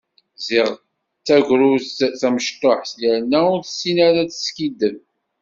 Ziɣ d tagrudt tamecṭuḥt, yerna ur tessin ara ad teskiddeb.